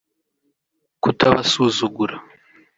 kutabasuzugura